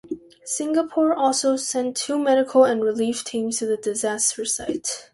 Singapore also sent two medical and relief teams to the disaster site.